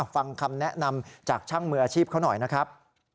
ฟังคำแนะนำจากช่างมืออาชีพเขาหน่อยนะครับ